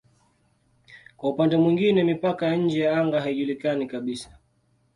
Kwa upande mwingine mipaka ya nje ya anga haijulikani kabisa.